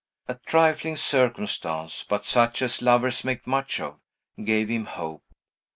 A trifling circumstance, but such as lovers make much of, gave him hope.